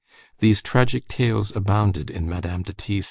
These tragic tales abounded in Madame de T.